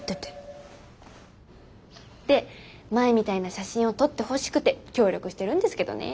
で前みたいな写真を撮ってほしくて協力してるんですけどねー。